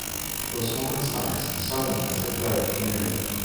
Though small in size, Southam has a thriving community.